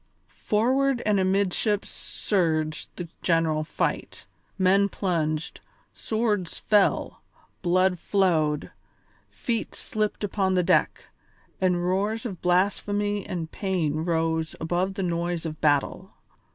Forward and amidships surged the general fight: men plunged, swords fell, blood flowed, feet slipped upon the deck, and roars of blasphemy and pain rose above the noise of battle.